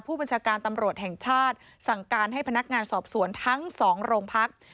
ผู้บัญชาการตำรวจแห่งชาติสั่งการให้พนักงานสอบสวนทั้งสองโรงพัก